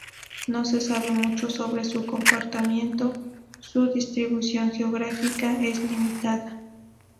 No se sabe mucho sobre su comportamiento; su distribución geográfica es limitada.